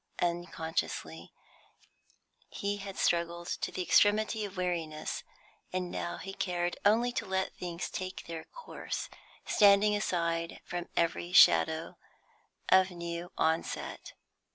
Unconsciously, he had struggled to the extremity of weariness, and now he cared only to let things take their course, standing aside from every shadow of new onset.